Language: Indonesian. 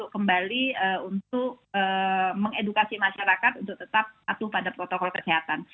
kembali untuk mengedukasi masyarakat untuk tetap atuh pada protokol kesehatan